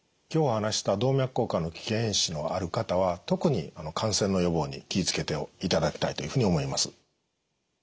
今日お話しした動脈硬化の危険因子のある方は特に感染の予防に気を付けていただきたいと思います。